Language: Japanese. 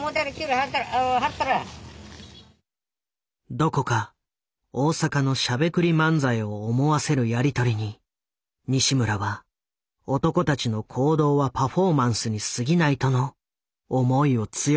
どこか大阪のしゃべくり漫才を思わせるやり取りに西村は「男たちの行動はパフォーマンスにすぎない」との思いを強くした。